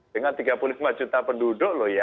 dengan tiga puluh lima juta penduduk loh ya